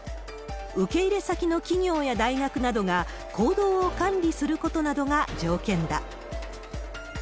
受け入れ先の企業や大学などが、行動を管理することなどが条件だ。